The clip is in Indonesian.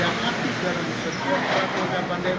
karena berpikir yang aktif dan disekir